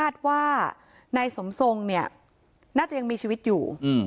ว่านายสมทรงเนี่ยน่าจะยังมีชีวิตอยู่